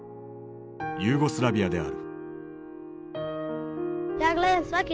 ユーゴスラビアである。